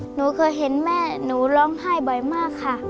หนูเคยเห็นแม่หนูร้องไห้บ่อยมากค่ะ